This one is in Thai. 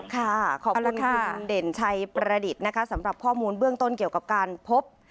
ขอบคุณคุณเด่นชัยประดิษฐ์นะคะสำหรับข้อมูลเบื้องต้นเกี่ยวกับการพบ